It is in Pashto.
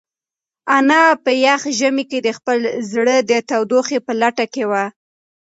انا په یخ ژمي کې د خپل زړه د تودوخې په لټه کې وه.